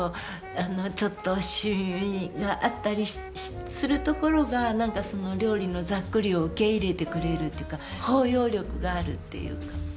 あのちょっと染みがあったりするところが何かその料理のざっくりを受け入れてくれるっていうか包容力があるっていうか。